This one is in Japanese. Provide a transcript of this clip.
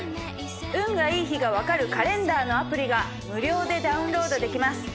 運がいい日が分かるカレンダーのアプリが無料でダウンロードできます。